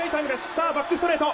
「さあバックストレート。